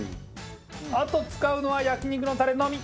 あと使うのは焼肉のタレのみ。